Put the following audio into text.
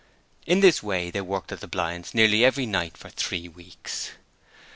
In this way they worked at the blinds nearly every night for three weeks.